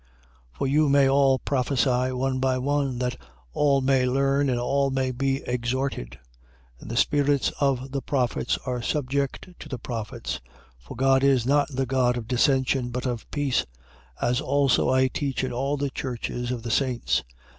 14:31. For you may all prophesy, one by one, that all may learn and all may be exhorted. 14:32. And the spirits of the prophets are subject to the prophets. 14:33. For God is not the God of dissension, but of peace: as also I teach in all the churches of the saints.